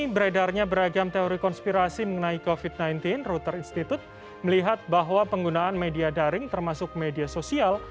beredarnya beragam teori konspirasi mengenai covid sembilan belas router institute melihat bahwa penggunaan media daring termasuk media sosial